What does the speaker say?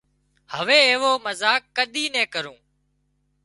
هوي ايوو مزاق ڪۮي نين ڪرون